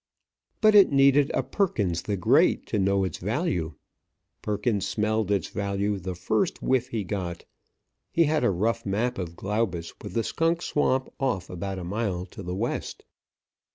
But it needed a Perkins the Great to know its value. Perkins smelled its value the first whiff he got. He had a rough map of Glaubus with the Skunk Swamp off about a mile to the west.